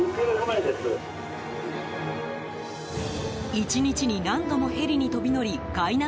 １日に何度もヘリに飛び乗り海難